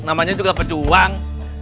namanya juga berjuang